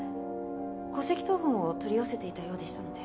戸籍謄本を取り寄せていたようでしたので。